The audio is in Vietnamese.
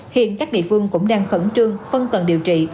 hiện các địa phương cũng đang khẩn trương phân cần điều trị